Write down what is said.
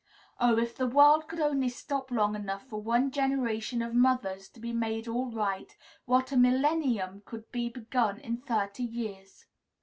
Oh! if the world could only stop long enough for one generation of mothers to be made all right, what a millennium could be begun in thirty years!